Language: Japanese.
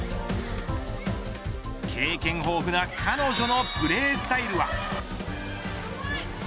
経験豊富な彼女のプレースタイルは。